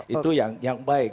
itu yang baik